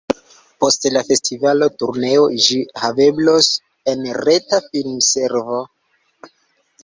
Post la festivala turneo ĝi haveblos en reta filmservo.